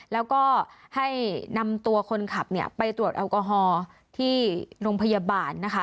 แล้วก็ให้นำตัวคนขับไปตรวจแอลกอฮอล์ที่โรงพยาบาลนะคะ